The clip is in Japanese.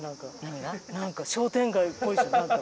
なんか商店街っぽいじゃん。